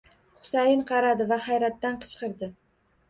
Husayin qaradi. Va hayratdan qichqirdi.